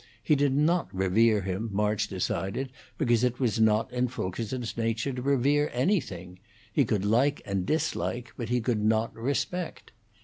He did not revere him, March decided, because it was not in Fulkerson's nature to revere anything; he could like and dislike, but he could not respect.